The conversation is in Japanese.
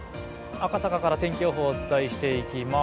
赤坂から天気予報をお伝えしていきます。